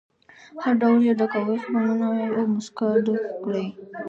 هر ډول یې ډکوئ خو په مینه او موسکا ډکې کړئ.